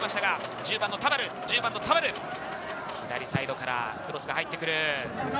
１０番の田原、左サイドからクロスが入ってくる。